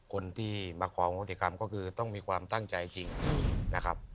คนที่มาของงติกรรมก็คือต้องมีความตั้งใจจริงนะครับ